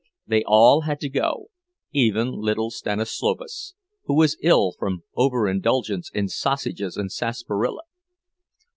They all had to go, even little Stanislovas, who was ill from overindulgence in sausages and sarsaparilla.